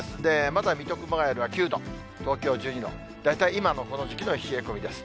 まずは水戸、熊谷では９度、東京１２度、大体今のこの時期の冷え込みです。